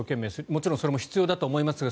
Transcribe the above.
もちろんそれも必要だとは思いますが